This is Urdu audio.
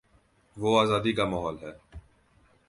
وہ آزادی کا ماحول ہے۔